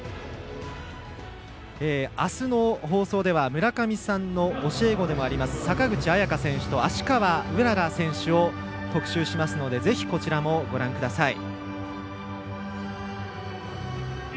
あすの放送では村上さんの教え子でもあります坂口彩夏選手と芦川うらら選手を特集しますのでぜひ、こちらもご覧ください。